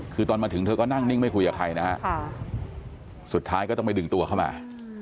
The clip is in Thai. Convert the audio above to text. คือตอนมาถึงเธอก็นั่งนิ่งไม่คุยกับใครนะฮะสุดท้ายก็ต้องไปดึงตัวเข้ามา